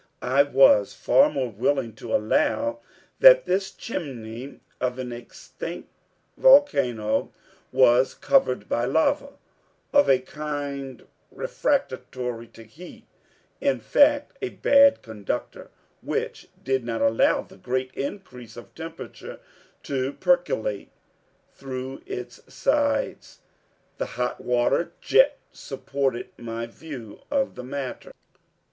I was far more willing to allow that this chimney of an extinct volcano was covered by lava of a kind refractory to heat in fact a bad conductor which did not allow the great increase of temperature to percolate through its sides. The hot water jet supported my view of the matter.